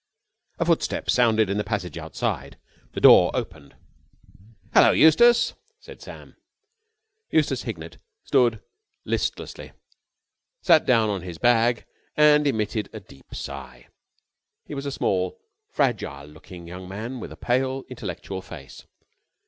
A footstep sounded in the passage outside. The door opened. "Hullo, Eustace!" said Sam. Eustace Hignett nodded listlessly, sat down on his bag and emitted a deep sigh. He was a small, fragile looking young man with a pale, intellectual face.